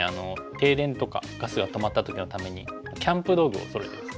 停電とかガスが止まった時のためにキャンプ道具をそろえてます。